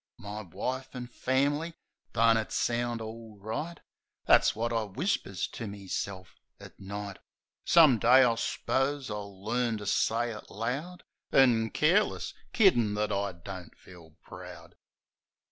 My wife an' f am'ly ! Don't it sound all right ! That's wot I whispers to meself at night. Some day, I s'pose, I'll learn to say it loud An' careless ; kiddin' that I don't feel proud.